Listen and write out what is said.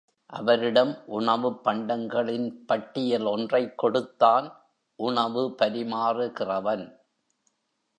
அவரிடம் உணவுப் பண்டங்களின் பட்டியல் ஒன்றைக் கொடுத்தான் உணவு பரிமாறுகிறவன்.